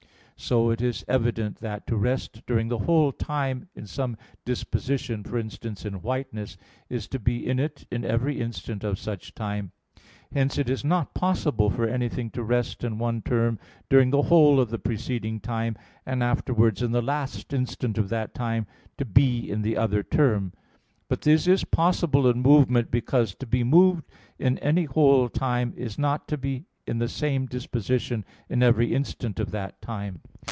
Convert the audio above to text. So it is evident that to rest during the whole time in some (disposition), for instance, in whiteness, is to be in it in every instant of such time. Hence it is not possible for anything to rest in one term during the whole of the preceding time, and afterwards in the last instant of that time to be in the other term. But this is possible in movement: because to be moved in any whole time, is not to be in the same disposition in every instant of that time.